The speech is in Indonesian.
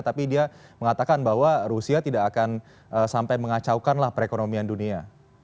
tapi dia mengatakan bahwa rusia tidak akan sampai mengacaukanlah perekonomian dunia